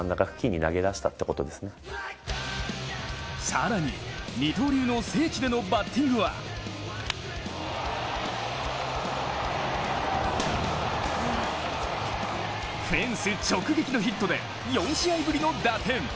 更に、二刀流の聖地でのバッティングはフェンス直撃のヒットで４試合ぶりの打点。